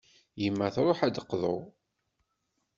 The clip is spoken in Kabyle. Yemma truḥ ad d-teqḍu.